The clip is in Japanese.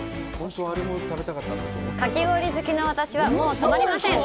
かき氷好きの私はもうとまりません。